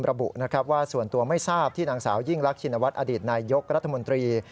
ระบุนะครับว่าส่วนตัวไม่ทราบที่นางสาวยิ่งรักชินวัฒน์อดีตนายยกรัฐมนตรี